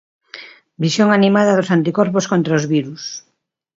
Visión animada dos anticorpos contra os virus.